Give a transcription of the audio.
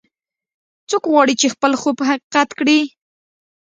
څوک غواړي چې خپل خوب حقیقت کړي